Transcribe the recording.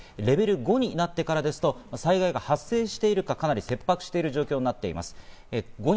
レベル５になってからですと、災害が発生しているか、かなり切迫している状況になっています。